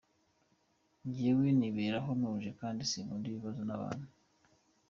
Njyewe niberaho ntuje kandi sinkunda ibibazo n’abantu.